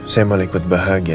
saya malah ikut bahagia